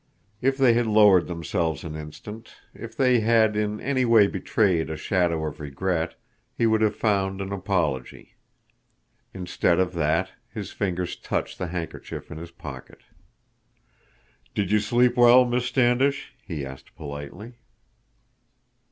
If they had lowered themselves an instant, if they had in any way betrayed a shadow of regret, he would have found an apology. Instead of that, his fingers touched the handkerchief in his pocket. "Did you sleep well, Miss Standish?" he asked politely.